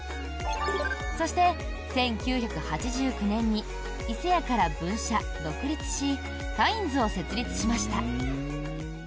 そして１９８９年にいせやから分社・独立しカインズを設立しました。